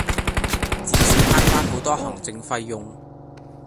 至少慳返好多行政費用